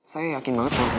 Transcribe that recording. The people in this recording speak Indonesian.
saya yakin banget loh